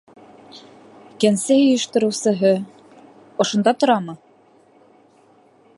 Кәнсә йыйыштырыусыһы... ошонда торамы?